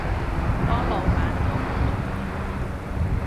幫腦闆做過傳譯